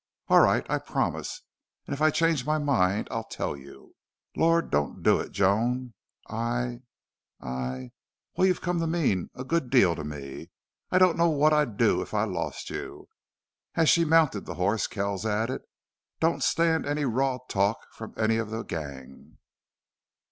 "All right. I promise. And if I change my mind I'll tell you." "Lord! don't do it, Joan. I I Well, you've come to mean a good deal to me. I don't know what I'd do if I lost you." As she mounted the horse Kells added, "Don't stand any raw talk from any of the gang."